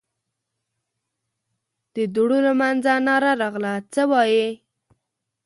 د دوړو له مينځه ناره راغله: څه وايې؟